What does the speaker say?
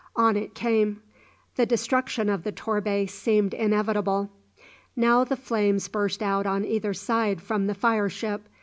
On it came. The destruction of the "Torbay" seemed inevitable. Now the flames burst out on either side from the fire ship.